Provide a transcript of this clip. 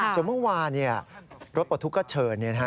แล้วที่มารถประทุกข์ก็เชิญ